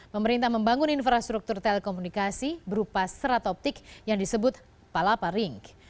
pemerintah membangun infrastruktur telekomunikasi berupa serat optik yang disebut palapa ring